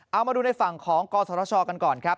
เอามาดูในฝั่งของกศชกันก่อนครับ